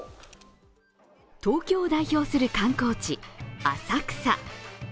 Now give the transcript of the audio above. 東京を代表する観光地、浅草。